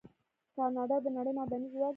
کاناډا د نړۍ معدني ځواک دی.